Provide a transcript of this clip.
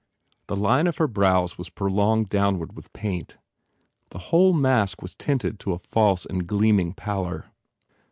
The line of her brows was prolonged downward with paint. The whole mask was tinted to a false and gleaming pallor.